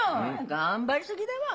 頑張りすぎだわ。